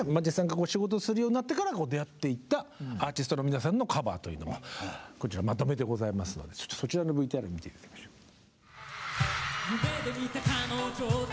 実際に仕事するようになってから出会っていったアーティストの皆さんのカバーというのがこちらまとめてございますのでそちらのＶＴＲ見て頂きましょう。